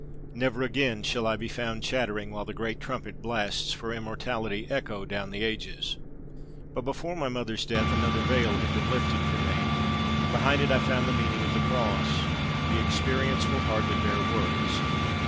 Never again shall I be found chattering while the great trumpet blasts for immortality echo down the ages. But before my mother's death another veil had been lifted for me. Behind it I found the meaning of the cross. The experience will hardly bear words.